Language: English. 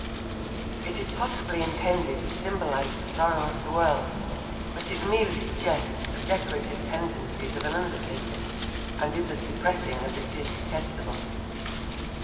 It is possibly intended to symbolise the sorrow of the world, but it merely suggests the decorative tendencies of an undertaker and is as depressing as it is detestable.